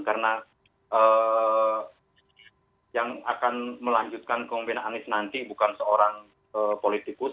karena yang akan melanjutkan kembinaan anies nanti bukan seorang politikus